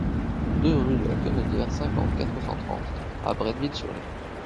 deux rue de la Quenaudière, cinquante, quatre cent trente à Bretteville-sur-Ay